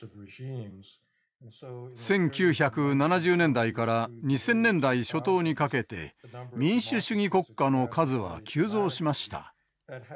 １９７０年代から２０００年代初頭にかけて民主主義国家の数は急増しました。